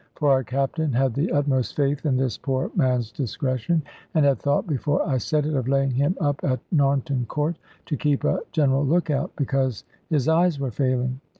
For our Captain had the utmost faith in this poor man's discretion, and had thought, before I said it, of laying him up at Narnton Court, to keep a general look out, because his eyes were failing.